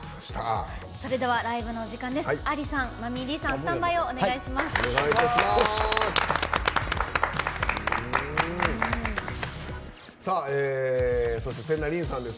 それではライブのお時間です。